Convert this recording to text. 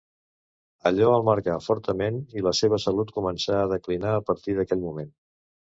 Allò el marcà fortament i la seva salut començà a declinar a partir d'aquell moment.